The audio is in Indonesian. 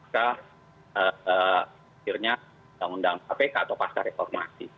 ke akhirnya undang undang kpk atau pasca reformasi